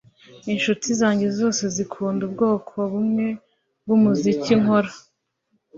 Inshuti zanjye zose zikunda ubwoko bumwe bwumuziki nkora